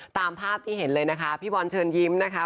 ตามภาพที่เห็นเลยนะคะพี่บอลเชิญยิ้มนะคะ